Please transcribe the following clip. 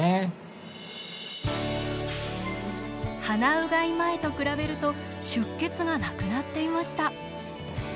鼻うがい前と比べると出血がなくなっていました。